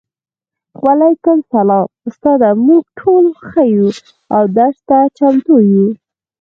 وعلیکم السلام استاده موږ ټول ښه یو او درس ته چمتو یو